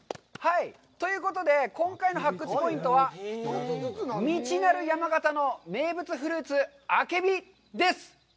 ということで、今回の発掘ポイントは、「未知なる山形の名物フルーツ！あけび」です。